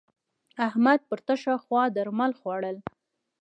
احمد پر تشه خوا درمل خوړول.